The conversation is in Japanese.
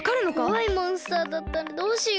こわいモンスターだったらどうしよう。